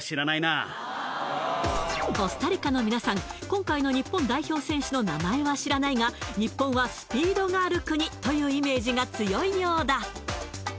今回の日本代表選手の名前は知らないが日本はスピードがある国というイメージが強いようだ